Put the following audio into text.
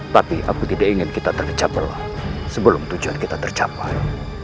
tapi aku tidak ingin kita terkecah belah sebelum tujuan kita tercapai